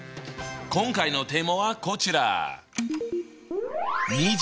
今回のテーマはこちら。